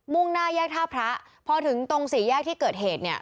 ่งหน้าแยกท่าพระพอถึงตรงสี่แยกที่เกิดเหตุเนี่ย